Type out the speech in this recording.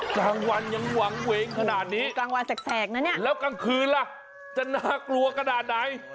กลางวันยังหวังเหวงขนาดนี้แล้วกลางคืนล่ะจะน่ากลัวกระดาษไหน